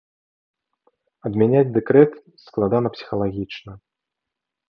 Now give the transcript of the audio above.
Адмяняць дэкрэт складана псіхалагічна.